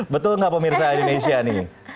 betul nggak pemirsa indonesia nih